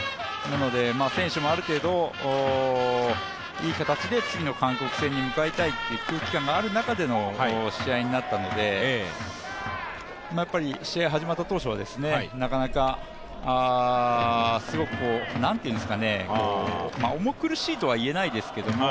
選手もある程度いい形で次の韓国戦に向かいたいという中での空気感がある中での試合になったので、やっぱり試合が始まった当初はなかなか重苦しいとは言えないですけども